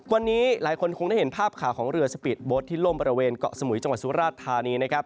วันนี้หลายคนคงได้เห็นภาพข่าวของเรือสปีดโบ๊ทที่ล่มบริเวณเกาะสมุยจังหวัดสุราชธานีนะครับ